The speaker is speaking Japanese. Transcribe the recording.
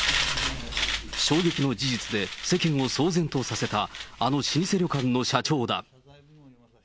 衝撃の事実で世間を騒然とさせた、あの老舗旅館の社長だ。